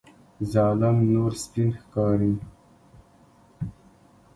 ظالم نور سپین ښکاري.